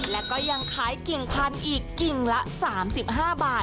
และก็ยังขายกิ่งพันธุ์อีกกิ่งละ๓๕บาท